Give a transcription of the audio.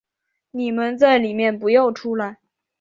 你们在里面不要出来